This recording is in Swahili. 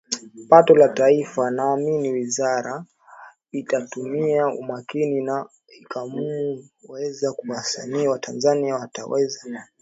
pato la taifa Naamni wizara ikitumia umakini na ikamamu kuwekeza wasanii wa Tanzania wataweza